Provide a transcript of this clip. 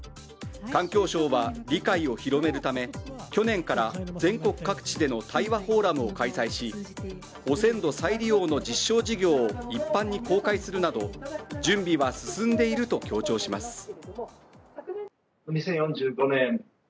環境省は理解を広めるため去年から全国各地での対話フォーラムを開催し、汚染土再利用の実証事業を一般に公開するなど準備は進んでいると強調します。